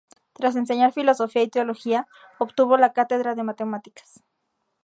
Tras enseñar filosofía y teología, obtuvo la cátedra de matemáticas.